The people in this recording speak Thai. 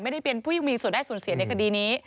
ไม่ได้เป็นผู้มีส่วนได้ส่วนเสียในคดีนี้